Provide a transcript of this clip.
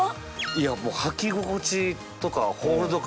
いやもう履き心地とかホールド感